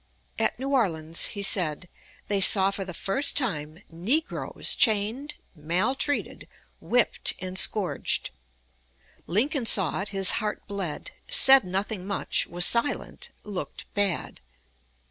At New Orleans, he said, they saw for the first time "negroes chained, maltreated, whipped, and scourged. Lincoln saw it; his heart bled; said nothing much, was silent, looked bad.